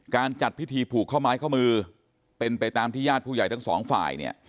การจัดพิธีผูกข้อไม้ข้อมือเป็นไปตามที่ญาติผู้ใหญ่ทั้งสองฝ่ายเนี่ย